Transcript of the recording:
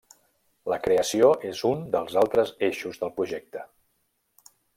La creació és un dels altres eixos del projecte.